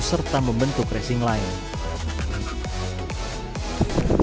serta membentuk racing line